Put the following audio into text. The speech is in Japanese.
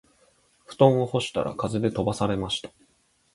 布団を干したら風で飛ばされました